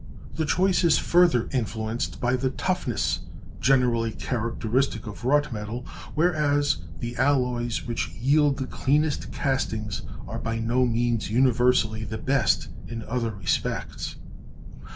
The choice is further influenced by the toughness generally characteristic of wrought metal, whereas the alloys which yield the cleanest castings are by no means universally the best in other respects.